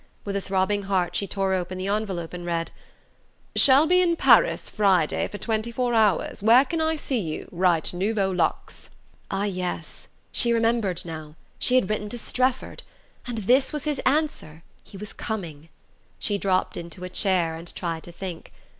With a throbbing heart she tore open the envelope and read: "Shall be in Paris Friday for twenty four hours where can I see you write Nouveau Luxe." Ah, yes she remembered now: she had written to Strefford! And this was his answer: he was coming. She dropped into a chair, and tried to think.